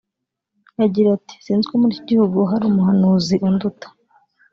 Agira ati “Si nzi ko muri iki gihugu hari umuhanuzi unduta